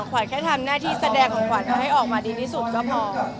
แต่ถ้าควันแค่ทำหน้าที่แสดงของควันให้ออกมาดีที่สุดก็พอ